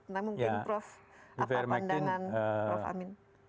nah mungkin prof apa pandangan prof amin